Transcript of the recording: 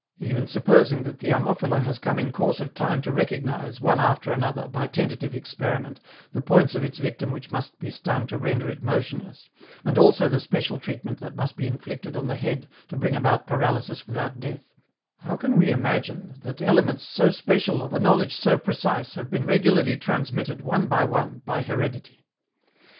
Even supposing that the Ammophila has come in course of time to recognize, one after another, by tentative experiment, the points of its victim which must be stung to render it motionless, and also the special treatment that must be inflicted on the head to bring about paralysis without death, how can we imagine that elements so special of a knowledge so precise have been regularly transmitted, one by one, by heredity?